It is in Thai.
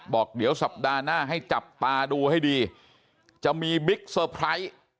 บอกเดี๋ยวสัปดาห์หน้าให้จับตาดูให้ดีจะมีบิ๊กเซอร์ไพรส์